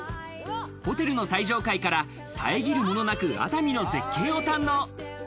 ホテルの最上階からさえぎるものなく熱海の絶景を堪能。